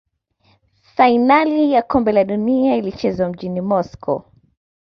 fainali ya kombe la dunia ilichezwa mjini moscow